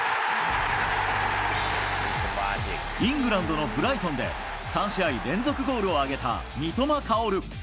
イングランドのブライトンで、３試合連続ゴールを挙げた三笘薫。